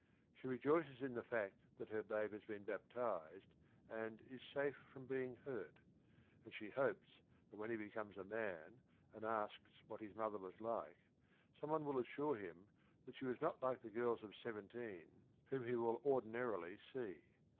She rejoices in the fact that her babe has been baptized and is "safe from being hurt," and she hopes that when he becomes a man and asks what his mother was like, some one will assure him that she was not like the girls of seventeen whom he will or dinarily see.